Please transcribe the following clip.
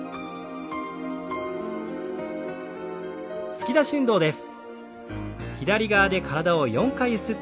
突き出し運動です。